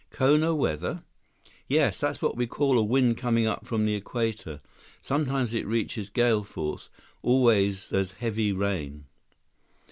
"Kona weather?" "Yes, that's what we call a wind coming up from the Equator. Sometimes it reaches gale force. Always there's heavy rain."